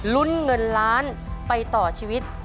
ลุ้นเงินล้านไปต่อชีวิต